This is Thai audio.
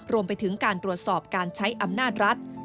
รวมไปถึงการตรวจสอบการใช้อำนาจรัฐ